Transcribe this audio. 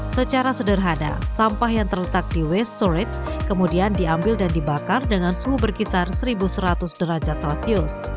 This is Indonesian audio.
secara sederhana sampah yang terletak di west storage kemudian diambil dan dibakar dengan suhu berkisar satu seratus derajat celcius